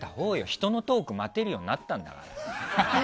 人のトーク待てるようになったんだから。